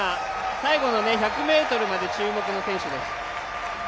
最後の１００ｍまで注目の選手です。